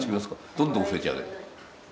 どんどん増えちゃうね。